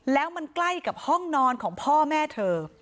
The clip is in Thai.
แล้วมันใกล้กับห้องนอนของพ่อแม่เธอ